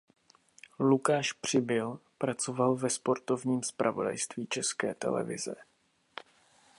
Lukáš Přibyl pracoval ve sportovním zpravodajství České televize.